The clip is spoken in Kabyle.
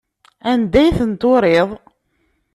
Anda ay tent-turiḍ?